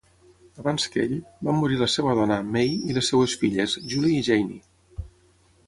Abans que ell, van morir la seva dona, May, i les seves filles, Julie i Jayne.